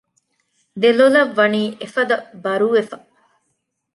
ދެލޮލަށް ވަނީ އެފަދަ ބަރުވެފަ